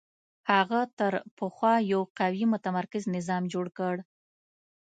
هغه تر پخوا یو قوي متمرکز نظام جوړ کړ